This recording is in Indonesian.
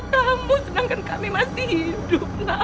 sedangkan kami masih hidup